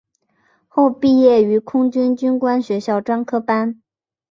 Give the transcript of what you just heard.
后毕业于空军军官学校专科班。